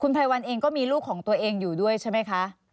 ไพรวัลเองก็มีลูกของตัวเองอยู่ด้วยใช่ไหมคะ